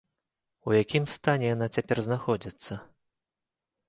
У якім стане яна цяпер знаходзіцца?